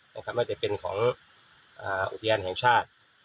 ว่าจะเป็นของอุทยานแห่งชาติ